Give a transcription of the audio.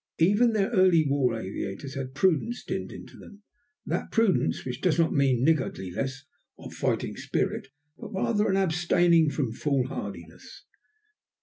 Even their early war aviators had prudence dinned into them that prudence which does not mean a niggardliness of fighting spirit, but rather an abstaining from foolhardiness.